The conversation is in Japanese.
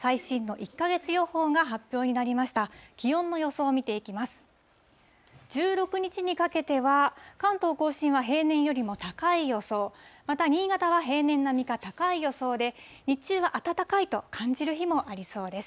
１６日にかけては、関東甲信は平年よりも高い予想、また新潟は平年並みか高い予想で、日中は暖かいと感じる日もありそうです。